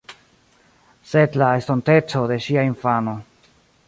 Sed la estonteco de ŝia infano.